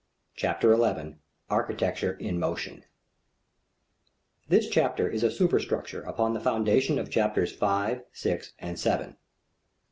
CHAPTER XI ARCHITECTURE IN MOTION This chapter is a superstructure upon the foundations of chapters five, six, and seven.